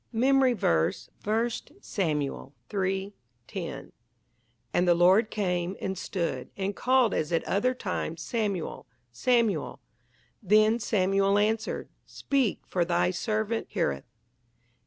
MEMORY VERSE, I Samuel 3: 10 "And the Lord came, and stood, and called as at other times, Samuel, Samuel. Then Samuel answered, Speak, for thy servant heareth."